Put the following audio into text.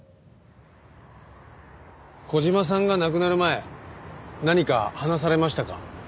小島さんが亡くなる前何か話されましたか？